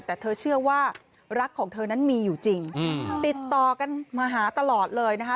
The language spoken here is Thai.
แต่เธอเชื่อว่ารักของเธอนั้นมีอยู่จริงติดต่อกันมาหาตลอดเลยนะคะ